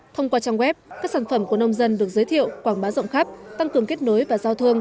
thông qua trang web các sản phẩm của nông dân được giới thiệu quảng bá rộng khắp tăng cường kết nối và giao thương